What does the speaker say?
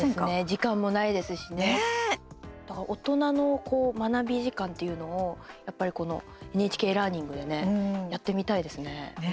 時間もないですしねだから大人の学び時間というのをやっぱり、この「ＮＨＫラーニング」でねやってみたいですね。